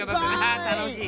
たのしい。